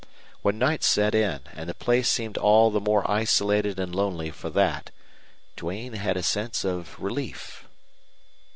When night set in and the place seemed all the more isolated and lonely for that Duane had a sense of relief.